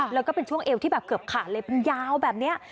แล้วก็เป็นช่วงเอวที่แบบเกือบขาดเลยเป็นยาวแบบนี้